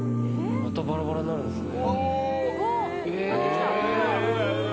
またバラバラになるんですね。